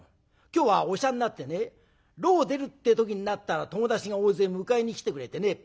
今日は御赦になってね牢を出るってえ時になったら友達が大勢迎えに来てくれてね。